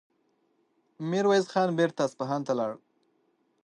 ميرويس خان بېرته اصفهان ته لاړ.